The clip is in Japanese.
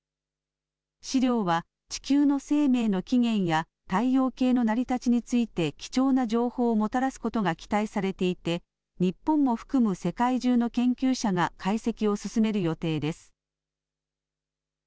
試料は地球の生命の起源や太陽系の成り立ちについて貴重な情報をもたらすことが期待されていて日本も含む世界中の研究者が解析を進める予定です。